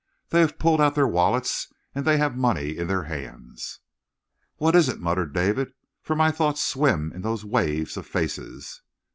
They have pulled out their wallets and they have money in their hands." "What is it?" muttered David. "For my thoughts swim in those waves of faces."